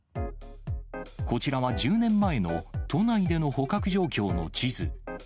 こちらは１０年前の都内での捕獲状況の地図。